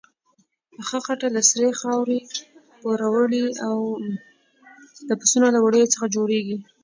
پخه خټه له سرې خاورې، پروړې او د پسونو له وړیو څخه جوړیږي.